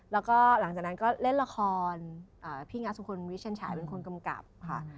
แล้วก็หลังจากนั้นก็เล่นละครพี่งาสุคลวิเชียนฉายเป็นคนกำกับค่ะ